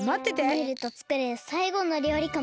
ムールとつくるさいごのりょうりかもしれないし。